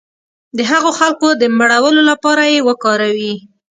د هغو خلکو د مړولو لپاره یې وکاروي.